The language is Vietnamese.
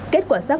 kết quả xác